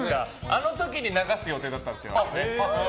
あの時に流す予定だったんですよ。